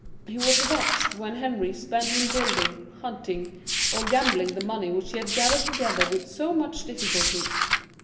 He was vexed when Henry spent in building, hunting, or gambling the money which he had gathered together with so much difficulty.